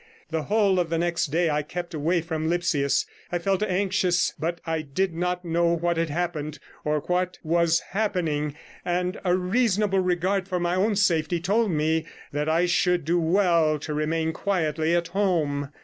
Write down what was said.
The whole of the next day I kept away from Lipsius. I felt anxious, but I did not know what had happened, or what was happening, and a reasonable regard for my own safety told me that I should do well to remain quietly at home.